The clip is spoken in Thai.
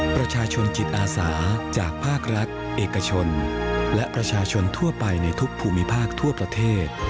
ประชาชนจิตอาสาจากภาครัฐเอกชนและประชาชนทั่วไปในทุกภูมิภาคทั่วประเทศ